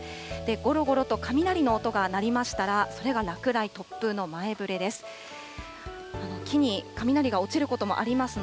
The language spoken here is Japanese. ごろごろと雷の音が鳴りましたら、それが落雷、突風の前触れです。